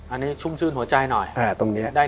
อันนี้ชุ่มชื่นหัวใจหน่อย